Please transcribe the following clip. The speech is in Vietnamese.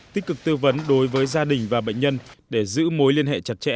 tích cực tư vấn đối với gia đình và bệnh nhân để giữ mối liên hệ chặt chẽ